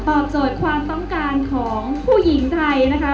โจทย์ความต้องการของผู้หญิงไทยนะคะ